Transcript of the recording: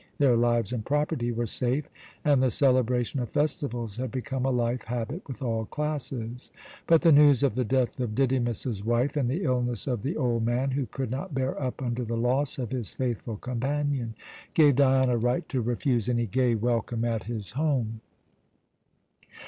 Their lives and property were safe, and the celebration of festivals had become a life habit with all classes. But the news of the death of Didymus's wife and the illness of the old man, who could not bear up under the loss of his faithful companion, gave Dion a right to refuse any gay welcome at his home.